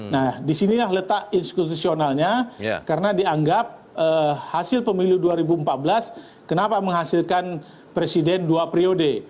nah disinilah letak institusionalnya karena dianggap hasil pemilu dua ribu empat belas kenapa menghasilkan presiden dua periode